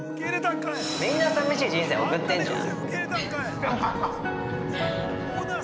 ◆みんな、さみしい人生送ってんじゃん。